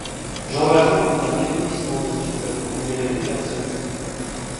Jean Valjean eut un éblouissement de stupeur ; il n’y avait plus personne.